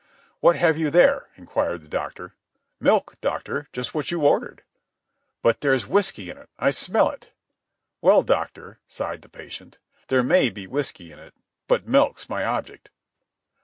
''What have you there?" inquired the doctor. "Milk, Doctor, just what you ordered." "But there's whiskey in it, I smell it." "Well, Doctor," sighed the patient, "there may be whiskey in it, but milk's my object."